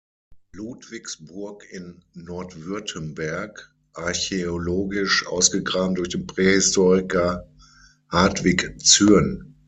Ludwigsburg in Nordwürttemberg, archäologisch ausgegraben durch den Prähistoriker Hartwig Zürn.